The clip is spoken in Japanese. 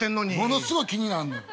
ものすごい気になんのよ。